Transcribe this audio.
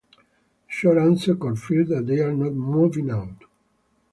The short answer confirms that they are not moving out.